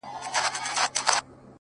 په هغې باندي چا کوډي کړي’